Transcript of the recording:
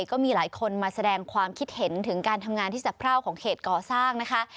ก็มีหลายคนมาแสดงความคิดเห็นถึงการทำงานที่สะพร่าวของเขตก่อสร้างนะคะ